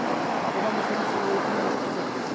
おばも戦争を生き抜いた１人です。